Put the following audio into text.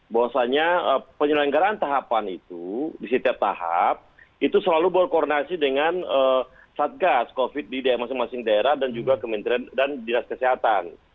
bahwasanya penyelenggaraan tahapan itu di setiap tahap itu selalu berkoordinasi dengan satgas covid di daerah masing masing daerah dan juga kementerian dan dinas kesehatan